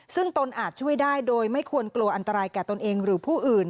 ซึ่งตนอาจช่วยได้โดยไม่ควรกลัวอันตรายแก่ตนเองหรือผู้อื่น